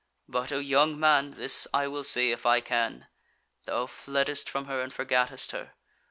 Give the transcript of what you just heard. But O, young man, this I will say if I can. Thou fleddest from her and forgattest her.